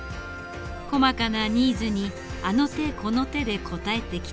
細かなニーズにあの手この手で応えてきた。